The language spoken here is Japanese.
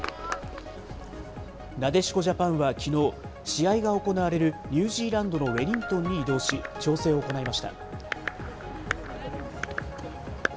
なでしこジャパンはきのう、試合が行われるニュージーランドのウェリントンに移動し、調整を行いました。